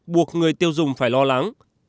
buộc người tiêu dùng phải lo lắng